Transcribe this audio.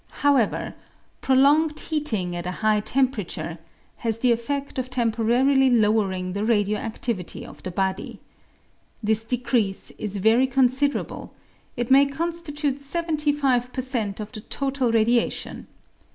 However, prolonged heating at a high temperature has the effed of temporarily lowering the radio adivity of the body. This decrease is very con siderable ; it may constitute 75 per cent of the total radia tion.